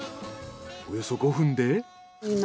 およそ５分で。